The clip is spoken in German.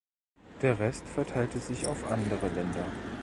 Der Rest verteilte sich auf andere Länder.